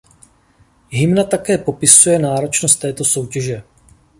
Hymna také popisuje náročnost této soutěže.